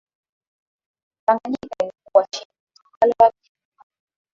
tanganyika ilikuwa chini ya utawala wa kijerumani